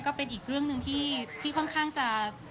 ก็เป็นอีกเรื่องหนึ่งที่ค่อนข้างจะ